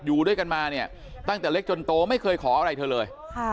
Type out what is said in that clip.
อยู่ด้วยกันมาเนี่ยตั้งแต่เล็กจนโตไม่เคยขออะไรเธอเลย